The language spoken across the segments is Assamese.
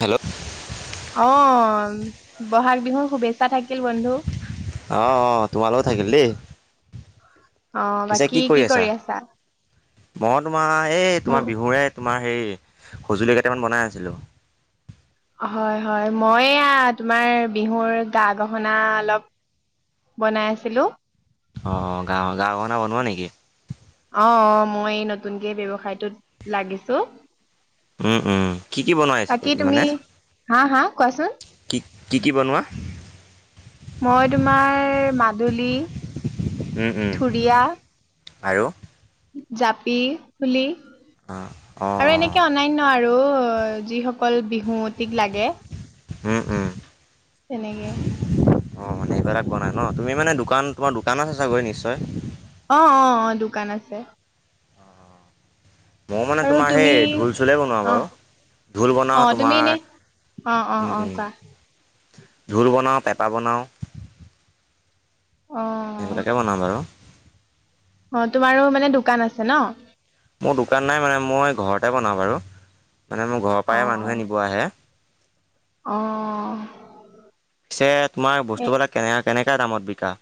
হেল্ল' আহ বহাগ বিহুৰ শুভেচ্ছা থাকিল বন্ধু অ' অ' তোমালোকো থাকিল দেই। পিছে কি কৰি আছা মই তোমাৰ এই মোৰ তোমাৰ বিহুৰে তোমাৰ সজুলি কেইটামান বনাই আছিলো। হয়, হয়, মই তোমাৰ বিহুৰ গা গহনা অলপ বনাই আছিলো। অ' গা গাও গহনা বনোৱা নেকি? অ' অ' মই নতুনকে ব্যৱসায়টোত লাগিছো। উম, উম, কি কি বনাই আছে বাকী তুমি মানে হা হা কোৱাচোন কি কি কি কি বনোৱা মই তোমাৰ মাডুলী, উম উম থুৰিয়া আৰু জাপি, ফুলি অ অ আৰু এনেকে অনান্য আৰু আৰু যিসকল বিহুত থিক লাগে উম উম তেনেকে অ' মানে এইবাৰাক বোৱানোৱা নাই ন তুমি মানে দোকান তোমাৰ দোকান আছে চাগৈ নিশ্চয় অ' অ' অ' দোকান আছে। মই মানে আৰু তোমাৰ তুমি সেই ঢোল চোলেই বনোৱা অ বাৰু ঢোল অ বনাওঁ তুমি এনে তোমাৰ অ' অ' উম অ' উম কোৱা ঢোল বনাওঁ, পেঁপা বনাওঁ। অ সেইবিলাকে বনাও বাৰু অ' তোমাৰো মানে দোকান আছে ন। মোৰ দোকান নাই মানে মই ঘৰতে বনাওঁ বাৰু মানে মোৰ ঘৰৰ অ অ পৰাই মানুহে নিব আহে। অ' পিছে তোমাৰ এ বস্তুবিলাক কেনে কেনেকা দামত বিকা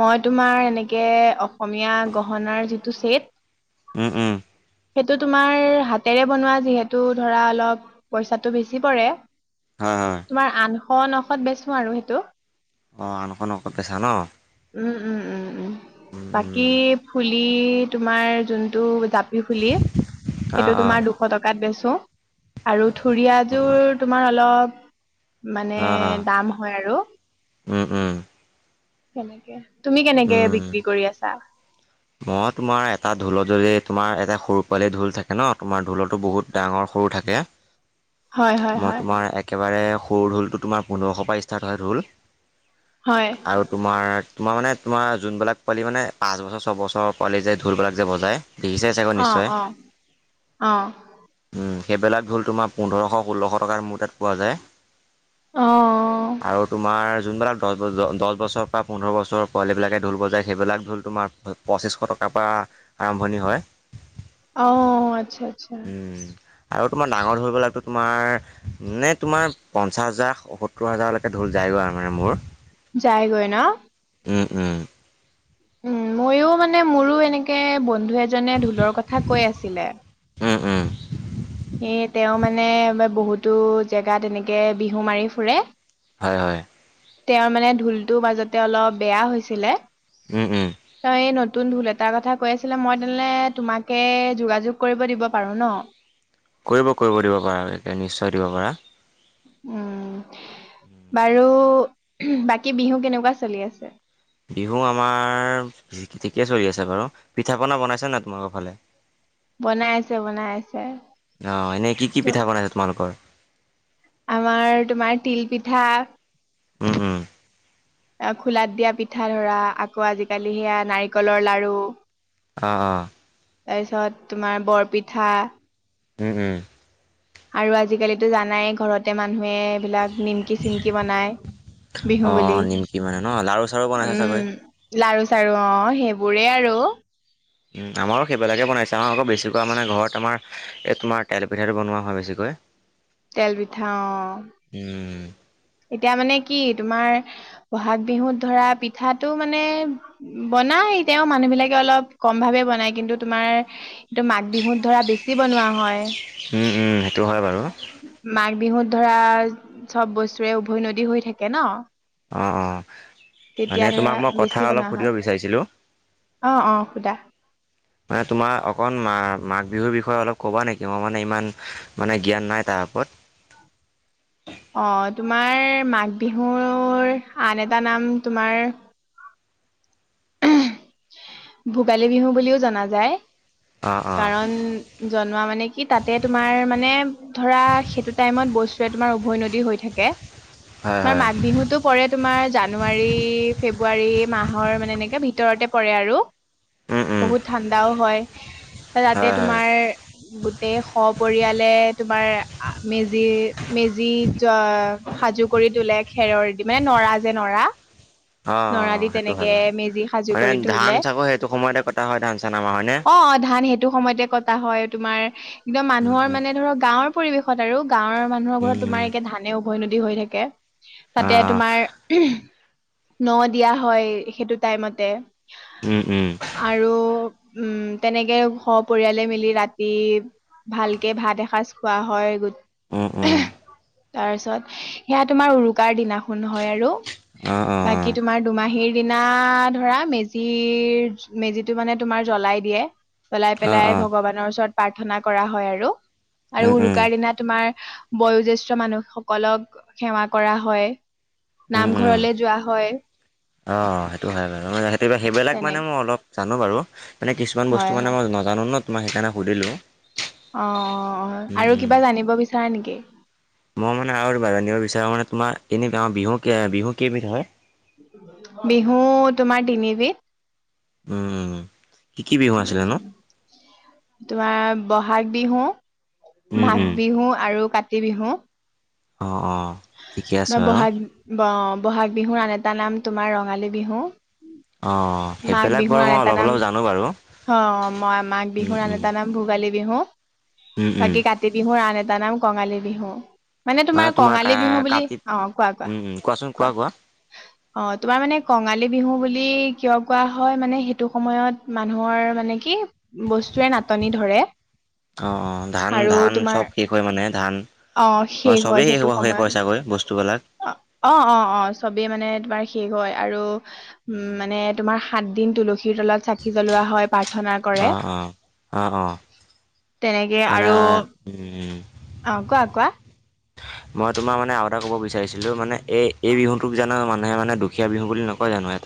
মই তোমাৰ এনেকে অসমীয়া গহনাৰ যিটো ছেট উম উম সেইটো তোমাৰ হাতেৰে বনোৱা যিহেতু ধৰা অলপ পইচাটো বেছি পৰে হয় হয় তোমাৰ আঠশ নশত বেচো আৰু সেইটো অ আঠশ নশত বেছ উম উম উম উম উম বাকী উম ফুলি তোমাৰ যোনটো জাপি ফুলি অঁ সেইটো অঁ তোমাৰ দুশ টকাত বেচো আৰু থৰিয়াযোৰ তোমাৰ অলপ মানে অঁ অঁ দাম হয় আৰু উম উম, কেনেকে তুমি কেনেকে উম বিক্ৰী কৰি আছা? মই তোমাৰ এটা ঢোলৰ যদি তোমাৰ এটা সৰু পোৱালি ঢোল থাকে ন তোমাৰ ঢোলৰ টো বহুত ডাঙৰ সৰু থাকে হয় হয় মই হয় তোমাৰ একেবাৰে সৰু ঢোলটো তোমাৰ পোন্ধৰশ পৰা ষ্টাৰ্ট হয় ঢোল। হয় আৰু তোমাৰ তোমাৰ মানে তোমাৰ যোনবিলাক পোৱালি মানে পাঁচ বছৰ ছবছৰ পোৱালি যে ঢোলবিলাক যে বজায় দেখিছাই চাগৈ অ নিশ্চয় অ অ উম সেইবিলাক ঢোল তোমাৰ পোন্ধৰশ ষোল্লশ টকাত মোৰ তাত পোৱা যায় অ আৰু তোমাৰ যোনবিলাক দহ বছ দহবছৰৰ পৰা পোন্ধৰ বছৰৰ পোৱালিবিলাকে ঢোল বজায় সেইবিলাক ঢোল তোমাৰ পঁচিছশ টকাৰ পৰা আৰম্ভণি হয় অ আচ্ছা আচ্ছা উম আৰু তোমাৰ ডাঙৰ ঢোল বিলাকটো তোমাৰ নে তোমাৰ পঞ্চাশ হাজাৰ সত্তৰ হাজাৰলৈকে ঢোল যায়গৈ আৰু মানে মোৰ যাইগৈ ন উম উম উম মইয়ো মানে মোৰো এনেকে বন্ধু এজনে ঢোলৰ কথা কৈ আছিলে উম, উম, সেই তেওঁ মানে বহুতো জেগাত এনেকে বিহু মাৰি ফুৰে হয় হয় তেওঁৰ মানে ঢোলটো মাজতে অলপ বেয়া হৈছিলে উম উম তই এই নতুন ঢোল এটাৰ কথা কৈ আছিলে মই তেনেলে তোমাকে যোগাযোগ কৰিব দিব পাৰো ন। কৰিব কৰিব দিব পাৰা একে নিশ্চয় দিব পাৰা। উম বাৰু বাকী বিহু কেনেকুৱা চলি আছে? বিহু আমাৰ ঠিকে চলি আছে বাৰু পিঠা পনা বনাইছে নে তোমালোকৰ ফালে? বনাই আছে বনাই আছে অঁ, এনেই কি কি ত পিঠা বনাইছা তোমালোকৰ? আমাৰ তোমাৰ তিল পিঠা। উম উম। খোলাত দিয়া পিঠা ধৰা আকৌ আজিকালি সেয়া নাৰিকলৰ লাৰু। অ, অ। তাৰপিছত তোমাৰ বৰপিঠা। উম উম। আৰু আজিকালিতো জানাই ঘৰতে মানুহে এইবিলাক। নিমকি চিমকি বনাই অ বিহু বুলি। নিমকি মানে ন লাৰু চাৰু বনাইছে চাগৈ উম লাৰু চাৰু অঁ, সেইবোৰেই আৰু। উম আমাৰো সেইবিলাকে বনাইছে আমাৰ আকৌ বেছিক কা মানে ঘৰত আমাৰ এই তোমাৰ তেল পিঠাটো বনোৱা হয় বেছিক কৈ। কৈ। তেল পিঠা অঁ। এতিয়া মানে কি তোমাৰ বহাগ বিহুত ধৰা পিঠাটো মানে বনাম নাই এতিয়া মানুহ বিলাকে অলপ কম ভাৱে বনাই কিন্তু তোমাৰ কিন্তু মাঘ বিহুত ধৰা বেছি বনোৱা হয় উম উম সেইটো হয় বাৰু মাঘ বিহুত ধৰা চব বস্তুৰে উভৈনদী হৈ থাকে ন। অ' অ' তেতিয়া মানে ধৰা তোমাক মই কথা বেছি অলপ বনোৱা সুধিব হয় বিচাৰিছিলোঁ। অ অ সুধা মানে তোমাৰ অকন মা মাক বিহুৰ বিষয়ে অলপ ক'বা নেকি মই মানে ইমান মানে জ্ঞান নাই তাৰ ওপৰত আহ তোমাৰ মাঘ বিহুৰ আন এটা নাম তোমাৰ ভোগালী বিহু বুলিও জনা যায়। অ' অ কাৰণ জনোৱা মানে কি তাতে তোমাৰ মানে ধৰা সেইটো টাইমত বস্তু তোমাৰ উভৈ নদী হৈ থাকে। হয় তোমাৰ হয় মাঘ বিহুতো পৰে তোমাৰ জানুৱাৰী ফেব্ৰুৱাৰী মাহৰ মানে এনে ভিতৰতে পৰে আৰু উম উম বহুত ঠাণ্ডাও হয় যাতে হয় হয় তোমাৰ গোটেই সপৰিয়াল তোমাৰ মেজি মেজি সাজু কৰি তোলে খেৰৰ মানে নৰা যে নৰা অ নৰা দি হেইটো হয় তেনেকে বাৰু মেজি সাজু মানে কৰি ধান তোলে চাকো সেইটো সময়তে কটা হয় ধান চান আমাৰ হয় নে অ' ধান সেইটো সময়তে কটা হয়। তোমাৰ একদম উম মানুহৰ উম মানে ধৰ গাঁৱৰ পৰিৱেশত আৰু গাঁৱৰ মানুহৰ ঘৰত উম তোমাৰ এতিয়া ধানে অভৈ নটি হৈ থাকে অ তাতে অ তোমাৰ ন দিয়া হয় সেইটো টাইমতে উম, উম, আৰু উম, তেনেকে সপয়ালে মিলি ৰাতি ভালকে ভাত এসাঁজ খোৱা হয় গো অ' অ' তাৰপিছত সেয়া তোমাৰ উৰুকাৰ দিনাখন হয় আৰু অ', বাকী অ', অ', তোমাৰ দুমাহীৰ দিনা ধৰা মেজিৰ মেজিটো মানে তোমাৰ জ্বলাই দিয়ে। জলাই অ', পেলাই অ', ভগৱানৰ ওচৰত প্ৰাৰ্থনা কৰা হয় আৰু আৰু উম, উম, উৰুকাৰ দিনা তোমাৰ বয়োজ্যেষ্ঠ মানুহ সকলক সেৱা কৰা হয়, উম, উম। নামঘৰলে যোৱা হয় অ' সেইটো হয় বাৰু সেইটো সেইবিলাক তেনে মানে মই অলপ জানো বাৰু মানে কিছু বস্তু হয় মানে হয় মই নাজানো ন তোই সেইকাৰণে সুধিলোঁ অ' উম, আৰু উম। কিবা জানিব বিচাৰা নেকি? মই মানে আৰু বনিব বিচাৰো মানে তোমাৰ এনে বিহু বিহু কেইবিধ হয়। বিহু তোমাৰ তিনিবিধ। উম, কি কি বিহু আছিলে উম, নো? তোমাৰ বহাগ বিহু। উম, মাঘ উম, বিহু আৰু কাতি বিহু। অ' অ'। ঠিকে আছে মই বাৰু বহাগ বহাগ বিহু আন এটা তটা নাম তোমাৰ ৰঙালী বিহু। অ' মাঘ সেইবিলাক বিহুৰ বাৰু আন মই এটা অলপ নাম অলপ জানো বাৰু। অ' মই মাঘ বিহু উম, নান উম, এটা নাম ভোগালী বিহু। উম, উম, বাকী কাতি বিহুৰ আন এটা নাম কঙালী বিহু। মানে তোমাৰ কঙালী বিহু বুলি অ' অ' কোৱা কোৱা। উম, উম, কোৱাচোন কোৱা অ' তোমাৰ মানে কঙালী বিহু বুলি কিয় কোৱা হয় মানে সেইটো সময়ত মানুহৰ মানে কি বস্তুৱৰে নাটনি ধৰে অ' অ' ধান আৰু ধান তোমাৰ চব শেষ হয় মানে ধান। অ' তোমাৰ শেইষ হয় চবেই শেষ সেইটো হ'ব শেষ সময়ত হয় চাগৈ বস্তুবিলাক অ' অ' অ' অ' চবেই মানে তোমাৰ শেষ হয় আৰু উম মানে তোমাৰ সাত দিন তুলসীৰ তলত চাকি জ্বলোৱা হয়। প্ৰাৰ্থনা কৰে অ' অ' অ' অ'। তেনেকে মানে আৰু উম। অ কোৱা কোৱা মই তোমাৰ মানে আৰু এটা ক'ব বিচাৰিছিলো মানে এই এই বিহুতোক জানো মানুহ মানে মানে দুখীয়া বিহু বুলি নকয় জানো এত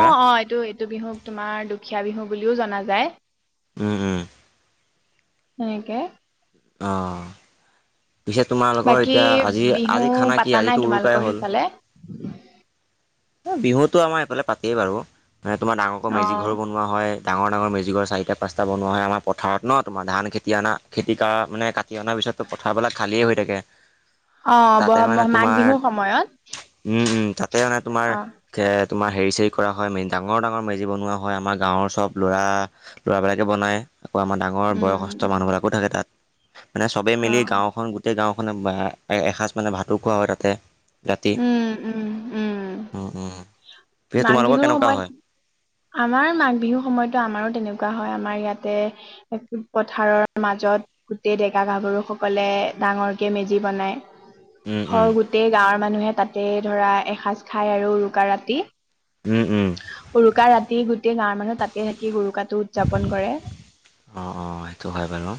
অ' অ' এইটো এইটো বিহুক তোমাৰ দুখীয়া বিহু বুলিও জনা যায়। উম উম তেনেকে অ পিছে তোমালোকৰ বাকী এতিয়া আজি বিহু আজি খানা পাতা কি আজি নাই তো তোমালোকৰ উৰুকাই হ'ল সেইফালে বিহুতো আমাৰ এইফালে পাতিয়ই বাৰু। তোমাৰ ডাঙৰকৈ অ মেজি ঘৰো বনোৱা হয়। ডাঙৰ ডাঙৰ মেজিগৰ চাৰিটা পাঁচটা বনোৱা হয়, আমাৰ পথাৰত ন তোমাৰ ধান খেতি অনা খেতি কৰা মানে। কাটি অনাৰ পিছতো পথাৰবিলাক খালিয়েই হৈ থাকে। অ ব তাতে মানে মাঘ তোমাৰ বিহুৰ সময়ত উম, উম তাতে মানে তোমাৰ অ তোমাৰ হেৰি চেৰি কৰা হয় মে ডাঙৰ ডাঙৰ মেজি বনোৱা হয় আমাৰ গাঁৱৰ চব ল'ৰা ল'ৰাবিলাকে বনায় আকৌ আমাৰ ডাঙৰ উম বয়সস্থ মানুহবিলাকো থাকে তাত মানে চবেই অ মিলি গাঁওখন গোটেই গাঁওখন মানে এসাঁজ মানে ভাতো খোৱা হয় তাতে ৰাতি উম উম উম উম উম পিছে মাঘ তোমালোকৰ বিহুৰ কেনেকুৱা হয় সময়ত আমাৰ মাঘ বিহুৰ সময়তো আমাৰো তেনেকুৱা এনেুৱা হয় আমাৰ ইয়াতে পথাৰৰ মাজত গোটেই ডেকা গাভৰু সকলে ডাঙৰকৈ মেজি বনায় উম উম হয় গোটেই গাঁৱৰ মানুহে তাতে ধৰা এসাঁজ খায় আৰু উৰুকা ৰাতি উম উম উৰুকা ৰাতি গোটেই গাঁৱৰ মানুহ তাতে থাকি উৰুকাটো উদযাপন কৰে অ অ সেইটো হয় বাৰু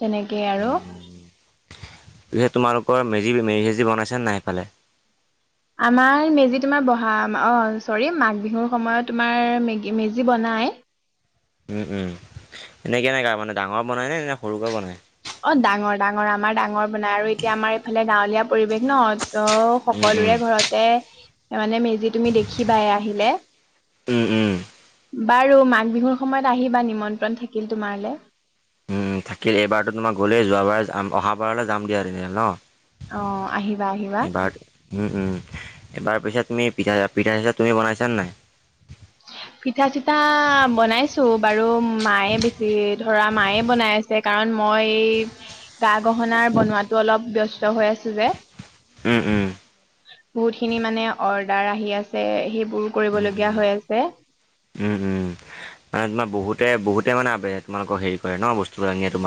তেনেকেই আৰু উম উম তোমালোকৰ মেজি মেজি সেজি বনাইছে নে নাই এইফালে আমাৰ মেজি তোমাৰ বহা অ চৰি মাঘ বিহুৰ সময়ত তোমাৰ মে মেজি বনাই [unintelligible] উম উম এনেকে কেনেকামানে ডাঙৰ বনাই নে নে সৰুকৈ বনাই অ ডাঙৰ ডাঙৰ আমাৰ ডাঙৰ। বনাই আৰু এতিয়া আমাৰ এইফালে গাঁৱলীয়া পৰিৱেশ ন' ত উম সকলোৰে উম ঘৰতে মানে মেজি তুমি দেখিবা এ আহিলে। উম উম উম বাৰু মাঘ বিহুৰ সময়ত আহিবা নিমন্ত্ৰণ থাকিল তোমাৰলে। উ থাকিল এইবাৰতো তোমাৰ গ'লেই যোৱাবাৰ যাম অহাবাৰলৈ যাম দিয়া এনে ন'। অ, আহিবা আহিবা। এইবাৰ উম, উম এইবাৰ পিছে তুমি পিঠা, পিঠা চিঠা তুমি বনাইছানে নাই। পিঠা-চিঠা বনাইছো বাৰু মায়ে বেছি ধৰা মায়ে বনাই আছে কাৰণ মই এই গা-গহনাৰ বনোৱাতো অলপ ব্যস্ত হৈ আছো যে। উম, উম। বহুত খিনি মানে অৰ্ডাৰ আহি আছে সেই উ, উ উম উম তোমাৰ বহুতে বহুত তে মানে তোমালোক হেৰি কৰে ন বস্তু।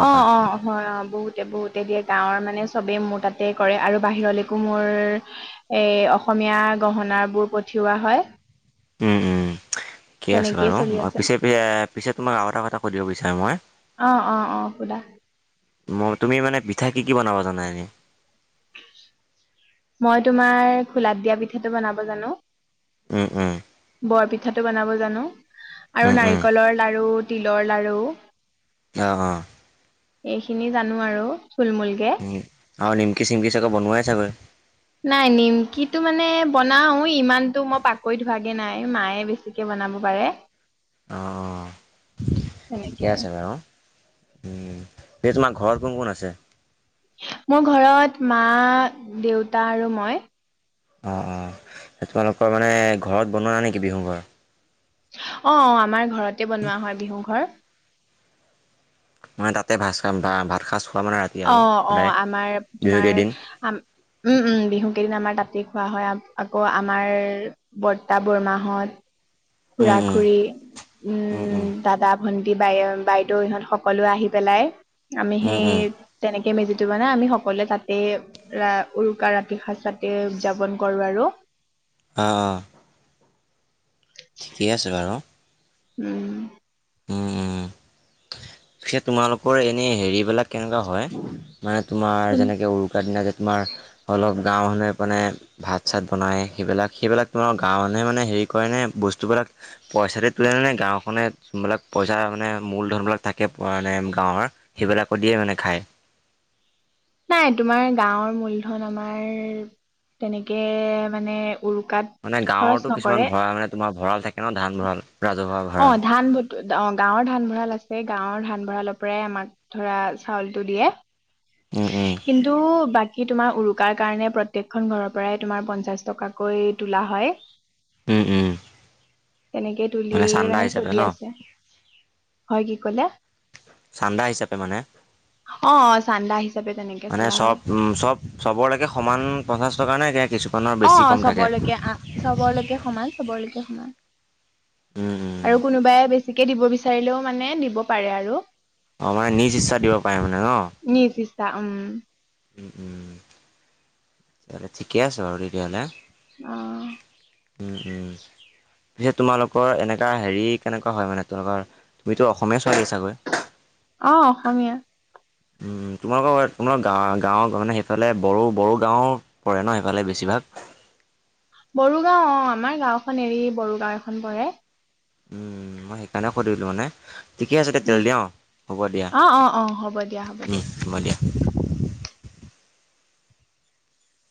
অ, অ, হয় অ' বহুতে বহুতে দিয়ে গাঁৱৰ মানে। চবেই মোৰ তাতে কৰে আৰু বাহিৰলৈকো মোৰ এ অসমীয়া গহন বোৰ প পঠিওৱা হয়। উম, ঠিকে আছে তেনেকেই বাৰু চলি আছে পি পিছে তোমাক আৰু এটা কথা কৈ দিব বিচাৰো মই। অ, অ, অ' সোধা। ম তুমি মানে পিঠা কি কি বনাবা জানা এনে। মই তোমাৰ খোলাত দিয়া পিঠাটো বনাব জানো। উম, উম। বৰপিঠাটো বনাব জানো আৰু উম, উম, নাৰিকলৰ লাৰু তিলৰ লাৰু। অঁ অঁ। এইখিনি জানোঁ আৰু। থুলমূলকে উম, আৰু নিমকি, চিমকি চাগৈ বনোৱাই চাগৈ। বনাওঁ ইমানতো মই পাকৈত হোৱাগে নাই, মায়ে বেছিকে বনাব পাৰে। অ', তেনেকে ঠিকে আছে বাৰু। উম, এই তোমাৰ ঘৰ কোন, কোন আছে? মোৰ ঘৰত মা, দেউতা আৰু মই। অ', অ', তোমালোকৰ মানে ঘৰত বনোৱা নেকি বিহু ঘৰ? অ' অ' আমাৰ ঘৰতে বনোৱা হয় বিহু ঘৰ। মই তাতে ভাত খ ভাত খাইো [inaudible] অ' অ' আমাৰ তোমাৰ, কেইদিন উম উম বিহু কেইদিন আমাৰ তাতে খোৱা হয়, আ- আকৌ আমাৰ বৰ্তা বৰমাহত খুৰা উম, - উম, খুৰী উম, দাদা ভন্টি বাইে - বাইদেউ ইহঁত সকলো আহি পেলাই। আমি উম, উম, সেই তেনেকে মেজিটো মানে আমি সকলোৱে তাতে ৰা-উৰুকা ৰাতি সাঁজ তাতে উদযাপন কৰোঁ আৰু। [unintelligible] অ' ঠিকে আছে বাৰু। উম। উম, উম। সেই তোমালোকৰ এনে হেৰিবিলাক কেনেকুৱা হয়? মানে তোমাৰ কোন- যেনেকে উৰুকাৰ দিনা যে, তোমাৰ অলপ গাঁৱৰ মানুহে মানে ভাত, চাত বনায় সেইবিলাক, সেইবিলাক তোমাৰ গাঁৱৰ মানুহে মানে হেৰি কৰেনে বস্তুবিলাক? পইচা দি তোলেনে? গাঁওখনে যোনবিলাক পইচা মানে মূলধনবিলাক থাকে, মানে গাঁৱৰ সেইবিলাকো দিয়ে মানে খায়? নাই, তোমাৰ গাঁওৰ মূলধন আমাৰ তেনেকে মানে উৰুকাত মানে খৰচ গাঁৱৰতো কিছু নকৰে ভঁৰাল মানে তোমাৰ ভঁৰাল থাকে ন ধান ভঁৰাল ৰাজহুৱা ভ অ', ধান ভ-অ' গাঁৱৰ ধান ভঁৰাল আছে। গাঁৱৰ ধান ভঁৰালৰ পৰাই আমাক ধৰা চাউলটো দিয়ে। উম উম কিন্তু বাকী তোমাৰ উৰুকাৰ কাৰণে প্ৰত্যেকখন ঘৰৰ পৰাই তোমাৰ পঞ্চাশ টকাকৈ তোলা হয়। উম, উম। তেনেকে তুলিয়েই চান্দা মানে হিচাপে চলি ন আছে, হয় কি ক'লে? চান্দা হিচাপে মানে। অ চান্দা হিচাপে তেনেকে মানে চলা চব হয় উম চব চবলৈকে সমান পঞ্চাশ টকা নে কে কিছু অ', চবলৈকে আ চবৰলৈকে সমান চবৰলৈকে সমান। উম উম আৰু কোনোবাই বেছিকে দিব বিচাৰিলেও মানে দিব পাৰে আৰু। অ', মানে নিজ ইচ্ছাত দিব পাৰে মানে ন? তা উম। উম, উম, তেতিয়াহ'লে ঠিকে আছে বাৰু তেতিয়াহ'লে। অ'। উম, উম। পিছে তোমালোকৰ এনেকা হেৰি কেনেকুৱা হয় মানে তোমালোকৰ তুমিতো অসমীয়া ছোৱালী চাগৈ। অ', অসমীয়া। উম, তোমালোকৰ তোমাৰ গা-গাঁৱৰ মানে সেইফালে বড়ো-বড়ো গাঁওৰ পৰে ন সেইফালে বেছি ভাগ? [inaudible] বড়ো গাওঁ অ' আমাৰ গাঁওখন এৰি বড়ো গাওঁ এখন পৰে। উম, মই সেইকাৰণে সুধিলো মানে। ঠিকে আছে [unintelligible] উম দিয়া অ' হ'ব দিয়া অ অ অ হ'ব দিয়া হ'ব উম দিয়া হ'ব দিয়া।